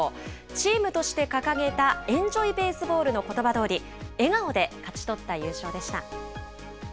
チームとして掲げた、エンジョイベースボールのことばどおり、笑顔で勝ち取った優勝でした。